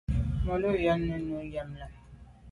Me lo yen nyu à lem.